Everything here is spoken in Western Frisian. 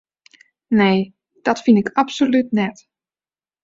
Nee, dat fyn ik absolút net.